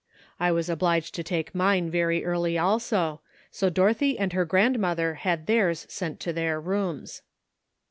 I was obliged to take mine very early, also, so Dorothy and her grandmother had theirs sent to their rooms."